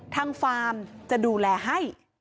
ฟาร์มจะดูแลให้